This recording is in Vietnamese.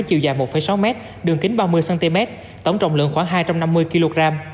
chiều dài một sáu m đường kính ba mươi cm tổng trọng lượng khoảng hai trăm năm mươi kg